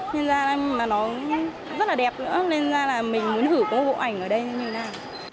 nên ra nó rất là đẹp nữa nên ra mình muốn thử có một bộ ảnh ở đây như thế nào